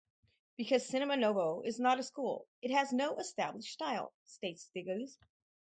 "Because Cinema Novo is not a school, it has no established style," states Diegues.